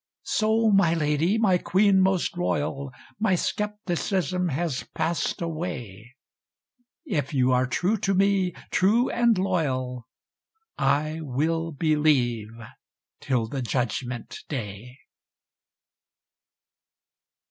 So my lady, my queen most royal, My skepticism has passed away; If you are true to me, true and loyal, I will believe till the Judgment day.